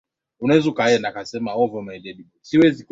Kisawhili ni kigumu.